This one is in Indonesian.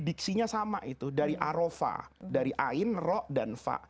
diksinya sama itu dari arofah dari ain roh dan fa